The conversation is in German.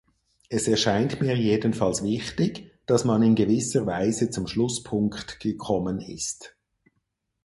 Es erscheint mir jedenfalls wichtig, dass man in gewisser Weise zum Schlusspunkt gekommen ist.